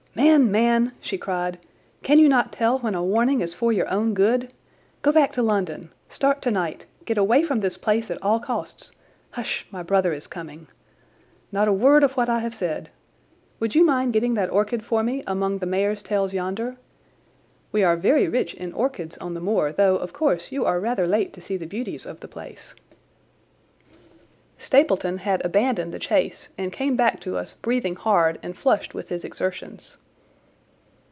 "Man, man!" she cried. "Can you not tell when a warning is for your own good? Go back to London! Start tonight! Get away from this place at all costs! Hush, my brother is coming! Not a word of what I have said. Would you mind getting that orchid for me among the mare's tails yonder? We are very rich in orchids on the moor, though, of course, you are rather late to see the beauties of the place." Stapleton had abandoned the chase and came back to us breathing hard and flushed with his exertions.